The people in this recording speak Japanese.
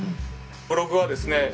ブログはですね